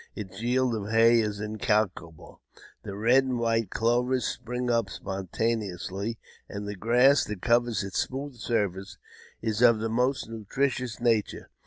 Its yield of hay is incalculable ; the red and white clovers spring up spontaneously, and the grass that covers its smooth surface is of the most nutritious nature.